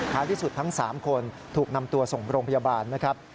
ที่สุดทั้ง๓คนถูกนำตัวส่งโรงพยาบาลนะครับ